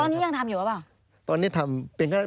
ตอนนี้ยังทำอยู่หรือเปล่า